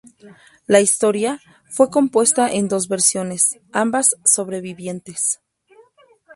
La "Historia" fue compuesta en dos versiones, ambas sobrevivientes.